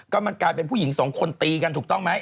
ก็มันกลายเป็นผู้หญิงสองคนตีกันถูกต้องไหม